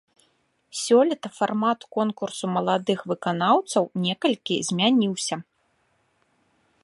Сёлета фармат конкурсу маладых выканаўцаў некалькі змяніўся.